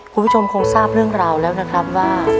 คุณผู้ชมคงทราบเรื่องราวแล้วนะครับว่า